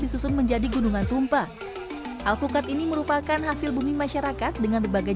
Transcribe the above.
disusun menjadi gunungan tumpang alpukat ini merupakan hasil bumi masyarakat dengan berbagai